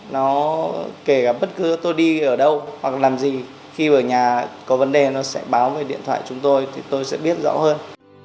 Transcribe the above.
nó kể cả bất cứ tôi đi ở đâu hoặc làm gì khi ở nhà có vấn đề nó sẽ báo về điện thoại chúng tôi thì tôi sẽ biết rõ hơn